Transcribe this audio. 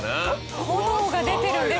炎が出てるんです。